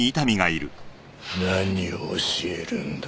何を教えるんだ？